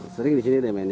sering disini deh mainnya